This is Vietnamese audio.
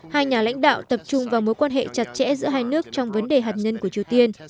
hai nhà lãnh đạo tập trung vào mối quan hệ chặt chẽ giữa hai nước trong vấn đề hạt nhân của triều tiên